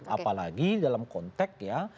apalagi dalam konteks ya